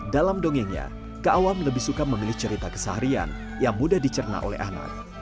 dalam dongengnya kak awam lebih suka memilih cerita kesaharian yang mudah dicerna oleh anak